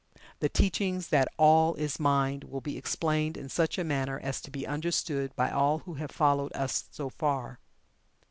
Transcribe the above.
The teachings that "All is Mind" will be explained in such a manner as to be understood by all who have followed us so far.